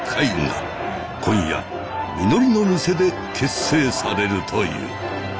今夜みのりの店で結成されるという。